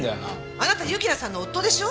あなた由樹奈さんの夫でしょ！